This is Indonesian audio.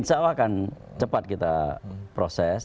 insya allah akan cepat kita proses